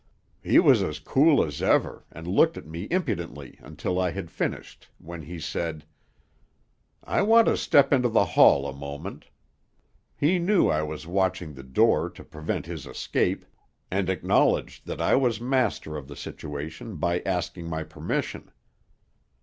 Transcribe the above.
"He was as cool as ever, and looked at me impudently until I had finished, when he said, "'I want to step into the hall a moment.' "He knew I was watching the door to prevent his escape, and acknowledged that I was master of the situation by asking my permission.